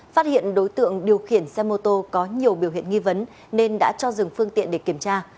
phát hiện đối tượng điều khiển xe mô tô có nhiều biểu hiện nghi vấn nên đã cho dừng phương tiện để kiểm tra